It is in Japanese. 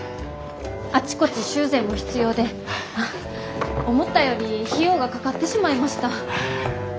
あちこち修繕も必要で思ったより費用がかかってしまいました。